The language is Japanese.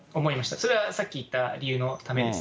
それはさっき言った理由のためです。